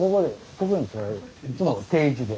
いつも定位置で。